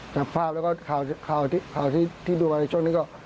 จากภาพแล้วก็ข่าวที่ดูมาในช่วงนี้ก็